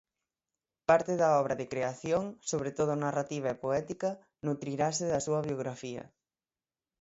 Parte da obra de creación, sobre todo narrativa e poética, nutrirase da súa biografía.